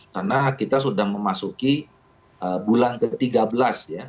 karena kita sudah memasuki bulan ke tiga belas ya